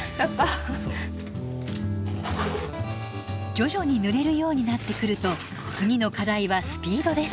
徐々に塗れるようになってくると次の課題はスピードです。